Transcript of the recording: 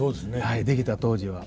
はい出来た当時は。